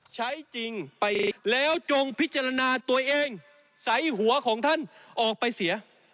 ใช้จริงไปอีกแล้วจงพิจารณาตัวเองใส่หัวของท่านออกไปเสีย